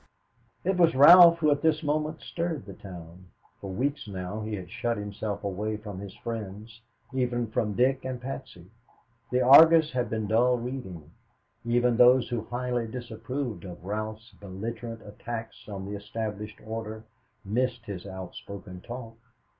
It was Ralph who at this moment stirred the town. For weeks now he had shut himself away from his friends, even from Dick and Patsy. The Argus had been dull reading. Even those who highly disapproved of Ralph's belligerent attacks on the established order missed his outspoken talk.